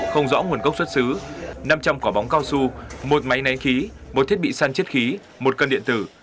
không rõ nguồn gốc xuất xứ năm trăm linh quả bóng cao su một máy náy khí một thiết bị săn chết khí một cân điện tử